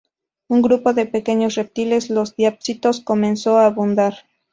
Un grupo de pequeños reptiles, los diápsidos, comenzó a abundar.